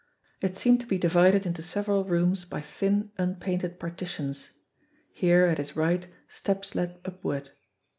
It seemed to be divided into several rooms by thin, unpainted parti tions. Here at his right, steps led upward.